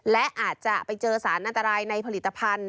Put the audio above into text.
และอาจจะไปเจอสารอันตรายในผลิตภัณฑ์